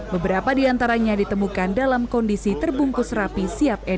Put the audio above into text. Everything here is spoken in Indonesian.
beberapa di antaranya ditemukan dalam kondisi terbungkus rapi siap edis